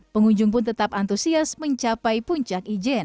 pengunjung pun tetap antusias mencapai puncak ijen